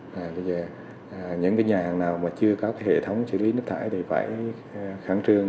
bây giờ những nhà hàng nào mà chưa có hệ thống xử lý nước thải thì phải khẳng trương